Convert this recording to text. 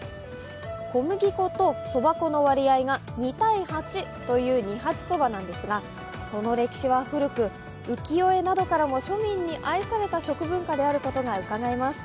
小麦粉とそば粉の割合が２対８という二八そばなんですがその歴史は古く、浮世絵などからも庶民に愛された食文化であることがうかがえます。